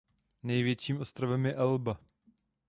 Největším ostrovem je Elba.